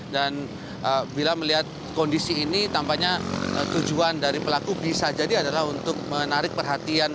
dan bila melihat kondisi ini tampaknya tujuan dari pelaku bisa jadi adalah untuk menarik perhatian